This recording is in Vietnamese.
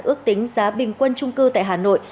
ước tính giá bình quân trung cư tại hà nội